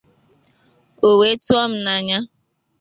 O wee tụọ m n'anya